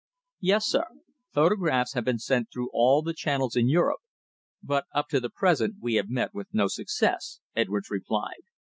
"Yes, sir. Photographs have been sent through all the channels in Europe. But up to the present we have met with no success," Edwards replied.